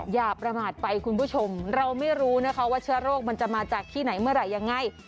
อย่าประมาทไปคุณผู้ชมเราไม่รู้นะคะว่าเชื้อโรคมันจะมาจากที่ไหนเมื่อไหร่ยังไง